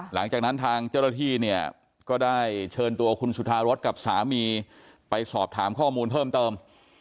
หลังจากนั้นทางเจ้าหน้าที่เนี่ยก็ได้เชิญตัวคุณสุธารสกับสามีไปสอบถามข้อมูลเพิ่มเติม